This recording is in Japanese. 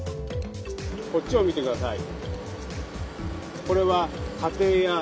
こっちを見てください。